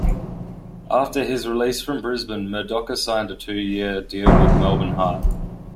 After his release from Brisbane, Murdocca signed a two-year deal with Melbourne Heart.